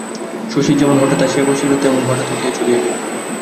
শচীশ যেমন হঠাৎ আসিয়া বসিয়াছিল তেমনি হঠাৎ উঠিয়া চলিয়া গেল।